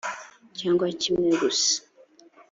cyangwa kimwe gusa